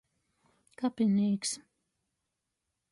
Kapinīks.